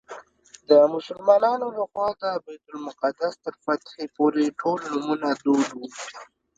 د مسلمانانو له خوا د بیت المقدس تر فتحې پورې ټول نومونه دود وو.